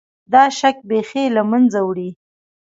دا شک بیخي له منځه وړي.